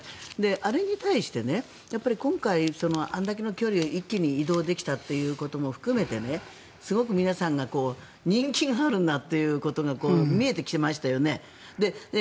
あれに対して、今回あれだけの距離を一気に移動できたということも含めてすごく皆さんが人気があるんだということが見えてきましたよね。